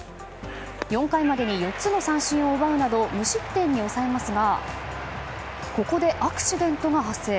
４回までに４つの三振を奪うなど無失点に抑えますがここでアクシデントが発生。